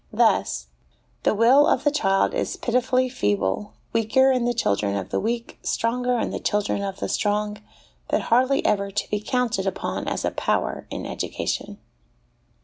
Thus : The will of the child is pitifully feeble, weaker in the children of the weak, stronger in the children of the strong, but hardly ever to be counted upon as a po^ver in education.